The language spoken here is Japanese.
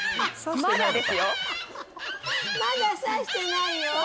まだ刺してないよ。